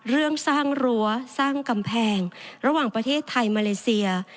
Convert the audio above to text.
เรื่องสร้างรั้วสร้างกำแพงระหว่างประเทศไทยมาเลเซีย